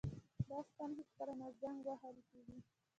دا ستن هیڅکله نه زنګ وهل کیږي.